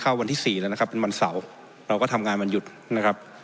วันที่สี่แล้วนะครับเป็นวันเสาร์เราก็ทำงานวันหยุดนะครับ